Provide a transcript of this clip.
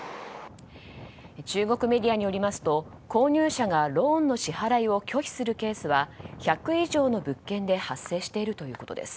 中国メディアによりますと購入者がローンの支払いを拒否するケースは１００以上の物件で発生しているということです。